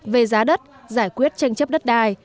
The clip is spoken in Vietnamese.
về giá đất giải quyết tranh chấp đất đai